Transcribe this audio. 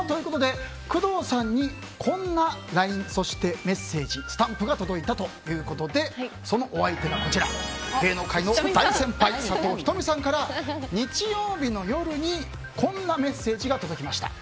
工藤さんに、こんなＬＩＮＥメッセージスタンプが届いたということでそのお相手が、芸能界の大先輩佐藤仁美さんから日曜日の夜にこんなメッセージが届きました。